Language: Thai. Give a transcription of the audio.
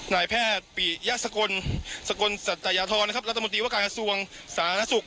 นายแพทย์ปริยสกลสกลสัตยทรนะครับรัฐมนตรีวการกระทรวงศาลนักศึกษ์